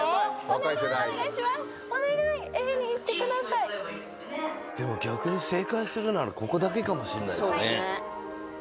お願いでも逆に正解するならここだけかもしんないですね